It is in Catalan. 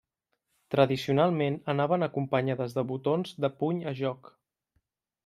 Tradicionalment anaven acompanyades de botons de puny a joc.